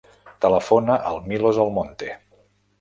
Telefona al Milos Almonte.